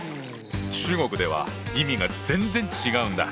中国では意味が全然違うんだ。